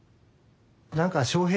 何か翔平